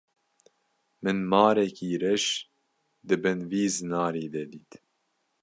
Min marekî reş di bin vî zinarî de dît.